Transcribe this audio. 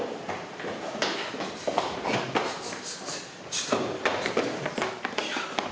ちょっと。